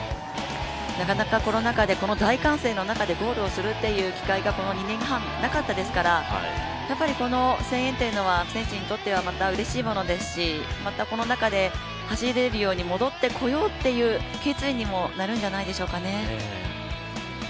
なかなかコロナ禍でこの大歓声の中でゴールをするという機会がこの２年半なかったですからこの声援というのは選手にとっては、またうれしいものですしまたこの中で、走れるように戻ってこようという決意にもなるんじゃないでしょうかね。